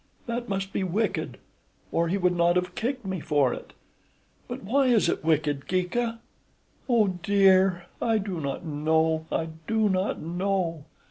That must be wicked, or he would not have kicked me for it. But why is it wicked, Geeka? Oh dear! I do not know, I do not know.